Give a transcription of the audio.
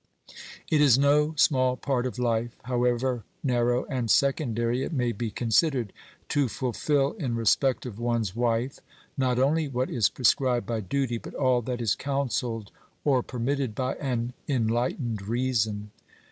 It is no small part of life, however narrow and secondary it may be considered, to fulfil in respect of one's wife not only what is prescribed by duty, but all that is counselled or permitted by an enlightened reason.